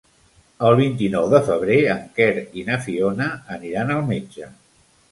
El vint-i-nou de febrer en Quer i na Fiona aniran al metge.